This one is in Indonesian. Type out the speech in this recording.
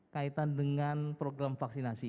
kaitan dengan program vaksinasi